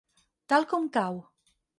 Tal com cau.